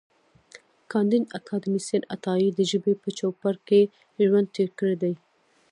کانديد اکاډميسن عطایي د ژبې په چوپړ کې ژوند تېر کړی دی.